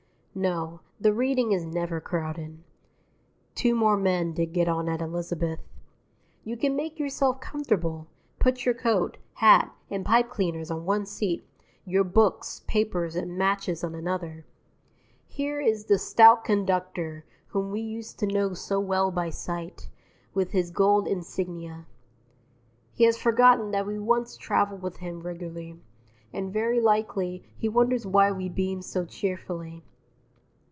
No, the Reading is never crowded. (Two more men did get on at Elizabeth.) You can make yourself comfortable, put your coat, hat, and pipecleaners on one seat, your books, papers, and matches on another. Here is the stout conductor whom we used to know so well by sight, with his gold insignia. He has forgotten that we once travelled with him regularly, and very likely he wonders why we beam so cheerfully.